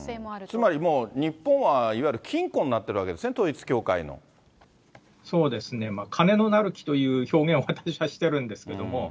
つまり、もう日本はいわゆる金庫になってるわけですね、統一そうですね、金のなる木という表現を私はしてるんですけど。